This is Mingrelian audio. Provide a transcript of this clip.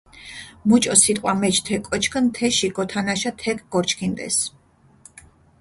მუჭო სიტყვა მეჩ თე კოჩქჷნ თეში, გოთანაშა თექ გორჩქინდეს.